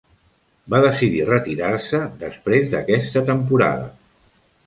Va decidir retirar-se després d'aquesta temporada.